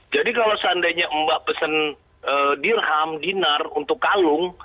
jadi kalau seandainya mbak pesen dirham dinar untuk kalung